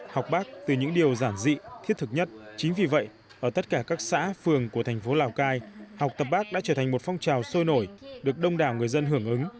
học bác từ những điều giản dị thiết thực nhất chính vì vậy ở tất cả các xã phường của thành phố lào cai học tập bác đã trở thành một phong trào sôi nổi được đông đảo người dân hưởng ứng